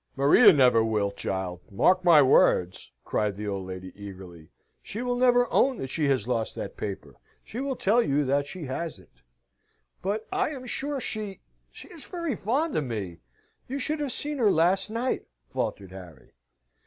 "Maria never will, child mark my words!" cried the old lady, eagerly. "She will never own that she has lost that paper. She will tell you that she has it." "But I am sure she she is very fond of me; you should have seen her last night," faltered Harry.